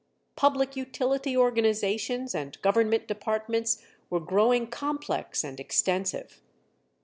Public utility organizations and government departments were growing complex and extensive.